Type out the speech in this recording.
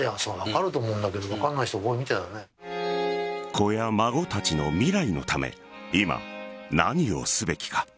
子や孫たちの未来のため今、何をすべきか。